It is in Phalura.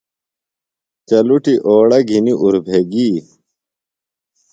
چلُٹیۡ اوڑہ گِھنیۡ اُربھےۡ گی